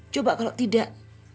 coba kalau tidak